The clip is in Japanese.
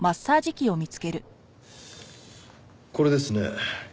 これですね。